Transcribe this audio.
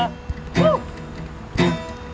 kau can di jelita